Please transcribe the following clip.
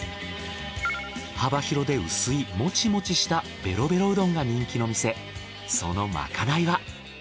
幅広で薄いモチモチしたベロベロうどんが人気の店そのまかないは？